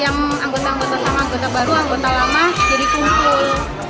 yang anggota anggota sama anggota baru anggota lama jadi kumpul